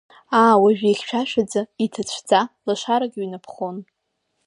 Аа, уажәы ихьшәашәаӡа, иҭацәӡа, лашарак ҩнаԥхон.